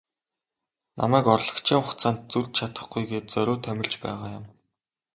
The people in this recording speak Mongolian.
Намайг орлогчийн хугацаанд зөрж чадахгүй гээд зориуд томилж байгаа юм.